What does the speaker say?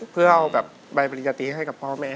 เพื่อเอาแบบใบปริญญาตีให้กับพ่อแม่